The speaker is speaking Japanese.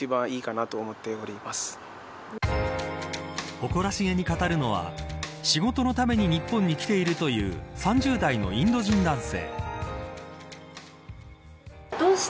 誇らしげに語るのは仕事のために日本に来ているという３０代のインド人男性。